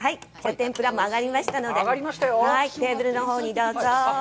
天ぷらも揚がりましたので、テーブルのほうにどうぞ。